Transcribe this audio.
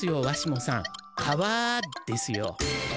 わしもさん「川」ですよ。